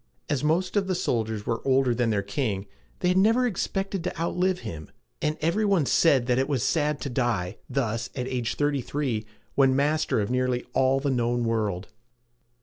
As most of the soldiers were older than their king, they had never expected to outlive him; and every one said that it was sad to die thus, at thirty three, when master of nearly all the known world.